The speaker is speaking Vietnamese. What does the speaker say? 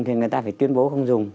thì người ta phải tuyên bố không dùng